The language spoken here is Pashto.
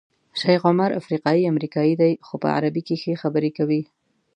شیخ عمر افریقایی امریکایی دی خو په عربي کې ښې خبرې کوي.